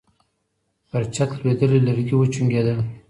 پر چت لوېدلي لرګي وچونګېدل.